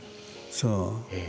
そう。